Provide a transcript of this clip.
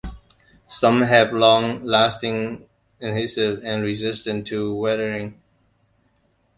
Some have a long-lasting adhesive and resistance to weathering.